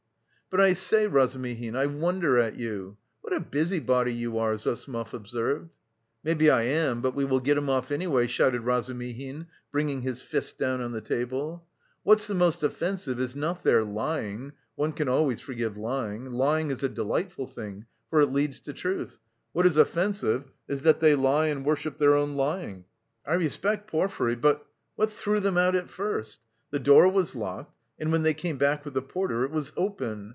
"But I say, Razumihin, I wonder at you. What a busybody you are!" Zossimov observed. "Maybe I am, but we will get him off anyway," shouted Razumihin, bringing his fist down on the table. "What's the most offensive is not their lying one can always forgive lying lying is a delightful thing, for it leads to truth what is offensive is that they lie and worship their own lying.... I respect Porfiry, but... What threw them out at first? The door was locked, and when they came back with the porter it was open.